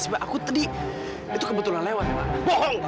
sebaby kemaju barusan sikh después dea